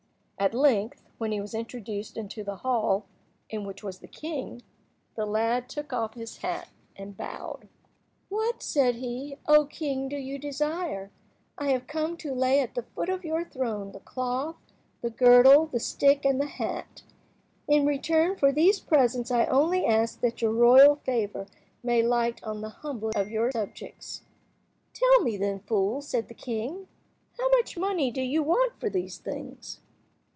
At length, when he was introduced into the hall in which was the king, the lad took off his hat and bowed. "What," said he, "O king, do you desire? I have come to lay at the foot of your throne the cloth, the girdle, the stick, and the hat. In return for these presents I only ask that your royal favour may light on the humblest of your subjects." "Tell me then, fool," said the king, "how much money do you want for those things?"